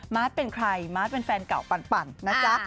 เป็นใครมาร์ทเป็นแฟนเก่าปั่นนะจ๊ะ